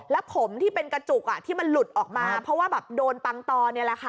แล้วผมที่เป็นกระจุกที่มันหลุดออกมาเพราะว่าแบบโดนปังตอนี่แหละค่ะ